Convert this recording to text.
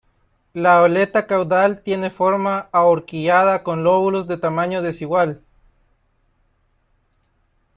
La aleta caudal tiene forma ahorquillada, con lóbulos de tamaño desigual.